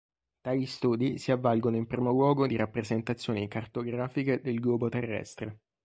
Tali studi si avvalgono in primo luogo di rappresentazioni cartografiche del globo terrestre.